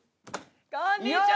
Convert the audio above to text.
こんにちは。